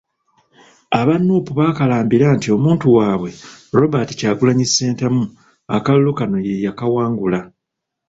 Aba Nuupu baakalambira nti omuntu waabwe, Robert Kyagulanyi Ssentamu akalulu kano ye yakawangula .